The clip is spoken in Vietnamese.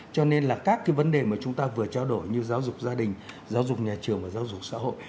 cho nên là các cái vấn đề mà chúng ta vừa trao đổi như giáo dục gia đình giáo dục nhà trường và giáo dục xã hội